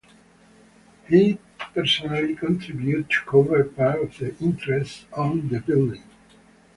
He personally contributed to cover part of the interest on the building.